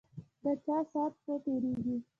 ده چا سات نه تیریږی